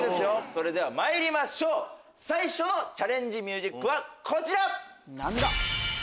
それではまいりましょう最初のチャレンジミュージッＱはこちら！